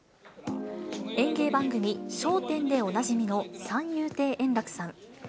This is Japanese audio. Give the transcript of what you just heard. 演芸番組、笑点でおなじみの三遊亭円楽さん。